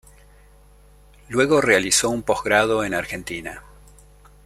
Luego realizó un posgrado en Argentina.